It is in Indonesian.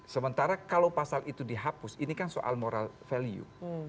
sementara kalau pasal itu dihapus ini kan soal moral value